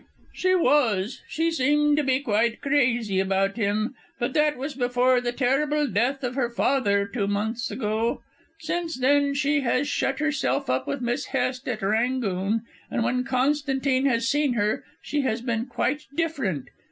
"She was; she seemed to be quite crazy about him, but that was before the terrible death of her father two months ago. Since then she has shut herself up with Miss Hest at 'Rangoon,' and when Constantine has seen her, she has been quite different.